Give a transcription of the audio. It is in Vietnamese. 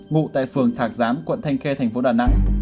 ngụ tại phường thạc giám quận thanh khe tp đà nẵng